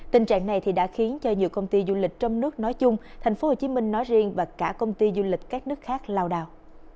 đoạn này đã khiến cho nhiều công ty du lịch trong nước nói chung thành phố hồ chí minh nói riêng và cả công ty du lịch các nước khác lao đào